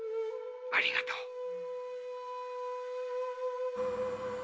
ありがとう。